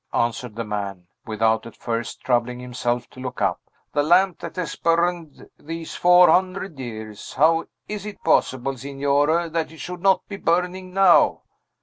answered the man, without at first troubling himself to look up. "The lamp that has burned these four hundred years! How is it possible, Signore, that it should not be burning now?"